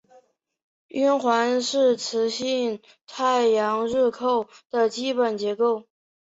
冕环是磁性太阳日冕的基本结构。